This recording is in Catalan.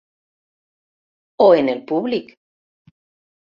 O en el públic.